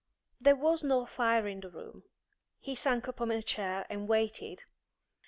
There was no fire in the room; he sank upon a chair and waited.